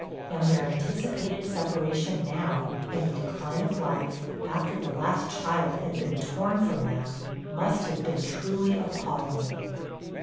And their anticipated separation now, in the decline of life, after the last child had been torn from them, must have been truly appalling.